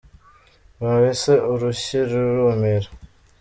Nkubise urushyi rurumira.